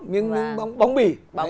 miếng bóng bì